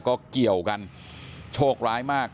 ก็เกี่ยวกันโชคร้ายมาก